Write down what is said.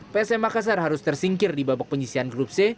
psm makassar harus tersingkir di babak penyisian grup c